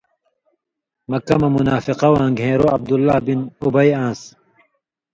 مکہ مہ منافقہ واں گھېن٘رو عبداللہ بن اُبئ آن٘س،